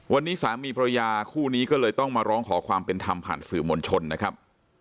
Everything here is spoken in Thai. วันนี้สามีพระยาคู่นี้ก็เลยต้องมาร้องขอความเป็นธรรมผ่านสื่อมวลชนนะครับ